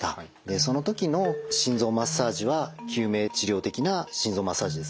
その時の心臓マッサージは救命治療的な心臓マッサージですね。